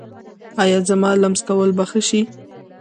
ایا زما لمس کول به ښه شي؟